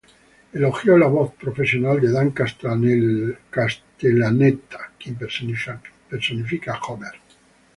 Elogió la voz profesional de Dan Castellaneta, quien personifica a Homer.